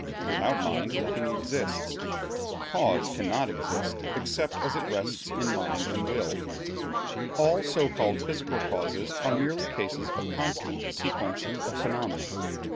Without mind nothing exists. Cause cannot exist except as it rests in mind and will. All so called physical causes are merely cases of constant sequence of phenomena.